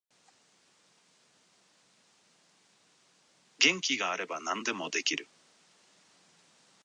元気があれば何でもできる